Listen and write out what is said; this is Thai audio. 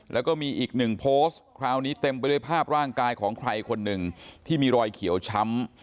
แล้วก็มีอีกหนึ่งโพสต์คราวนี้เต็มไปด้วยภาพร่างกายของใครคนหนึ่งที่มีรอยเขียวช้ำ